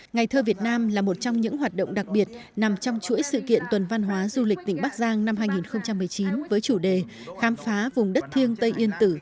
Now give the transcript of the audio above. ngày thơ việt nam là một trong những hoạt động đặc biệt nằm trong chuỗi sự kiện tuần văn hóa du lịch tỉnh bắc giang năm hai nghìn một mươi chín với chủ đề khám phá vùng đất thiên huế